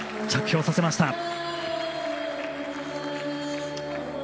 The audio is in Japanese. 着氷させました。